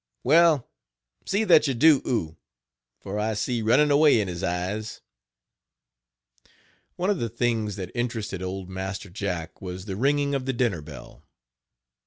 "Well, see that you do oo, for I see running away in his eyes." One of the things that interested old Master Jack was the ringing of the dinner bell.